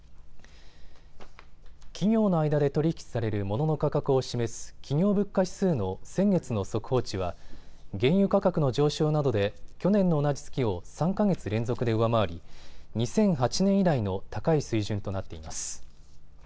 企業の間で取り引きされるモノの価格を示す企業物価指数の先月の速報値は原油価格の上昇などで去年の同じ月を３か月連続で上回り２００８年以来の高い水準となっています。